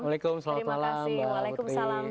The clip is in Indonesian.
waalaikumsalam mbak putri